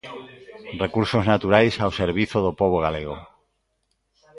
Recursos naturais ao servizo do pobo galego.